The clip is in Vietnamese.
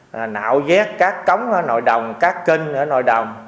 rồi nạo vét các cống ở nội đồng các kênh ở nội đồng